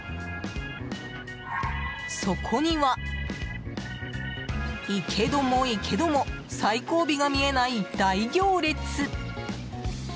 そこには、行けども行けども最後尾が見えない大行列。